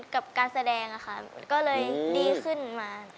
กับการแสดงค่ะก็เลยดีขึ้นมา